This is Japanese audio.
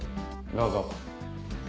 どうぞ。